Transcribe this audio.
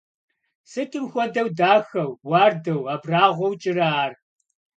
Сытым хуэдэу дахэу, уардэу, абрагъуэу кӀырэ ар!